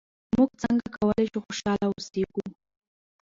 موږ څنګه کولای شو خوشحاله اوسېږو؟